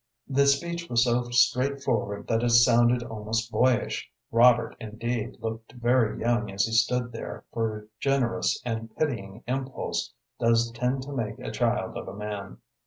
The speech was so straightforward that it sounded almost boyish. Robert, indeed, looked very young as he stood there, for a generous and pitying impulse does tend to make a child of a man.